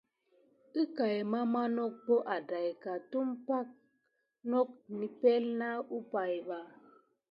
Əkay mama nok bak adaika tumpay ke naku nipenle na umpay ba.